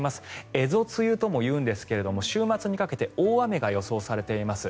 蝦夷梅雨とも言いますが週末にかけて大雨が予想されています。